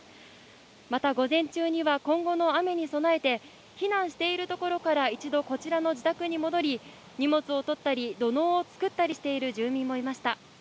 また午前中には、今後の雨に備えて、避難している所から一度こちらの自宅に戻り、荷物を取ったり、土のうを作ったりしている住民もいました。